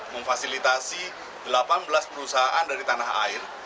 memfasilitasi delapan belas perusahaan dari tanah air